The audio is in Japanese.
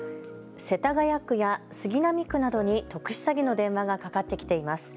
世田谷区や杉並区などに特殊詐欺の電話がかかってきています。